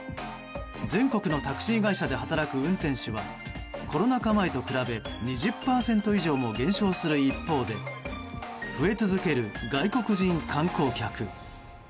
全国のタクシー会社で働く運転手はコロナ禍前と比べ２０％以上も減少する一方で増え続ける外国人観光客。